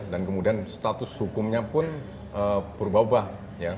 dan kemudian status hukumnya pun berubah ubah ya